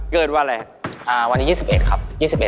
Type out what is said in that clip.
เกิดวันอะไรครับวันนี้๒๑ครับ๒๑